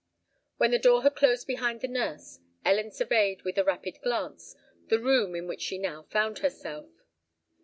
When the door had closed behind the nurse, Ellen surveyed, with a rapid glance, the room in which she now found herself.